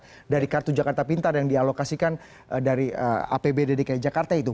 sudah memiliki hak dari kartu jakarta pintar yang dialokasikan dari apb dki jakarta itu